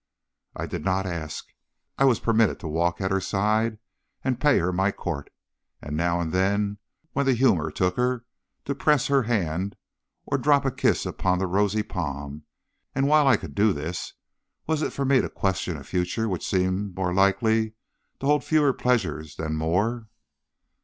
"I did not ask. I was permitted to walk at her side, and pay her my court, and now and then, when the humor took her, to press her hand or drop a kiss upon the rosy palm; and while I could do this, was it for me to question a future which seemed more likely to hold fewer pleasures than more?